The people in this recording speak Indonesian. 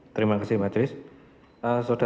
terima kasih mbak tris